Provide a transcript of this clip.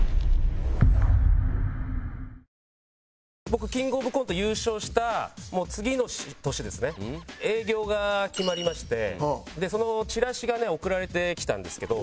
僕キングオブコント優勝した次の年ですね営業が決まりましてそのチラシがね送られてきたんですけど。